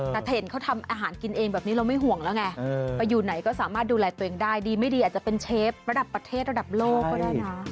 แต่ถ้าเห็นเขาทำอาหารกินเองแบบนี้เราไม่ห่วงแล้วไงไปอยู่ไหนก็สามารถดูแลตัวเองได้ดีไม่ดีอาจจะเป็นเชฟระดับประเทศระดับโลกก็ได้นะ